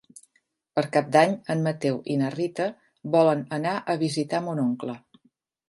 Per Cap d'Any en Mateu i na Rita volen anar a visitar mon oncle.